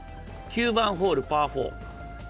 ９番ホール、パー４。